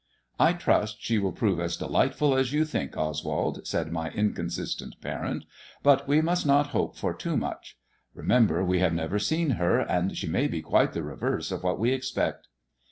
''I trust she will prove as delightful as you think, Oswald," said my inconsistent parent ;" but we must not hope for too much. Bemember we have never seen her, and she may be quite the reverse of what we expect.'